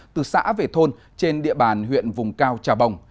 từ xã về thôn trên địa bàn huyện vùng cao trà bồng